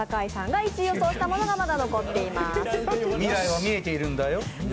未来は見えているんだよ。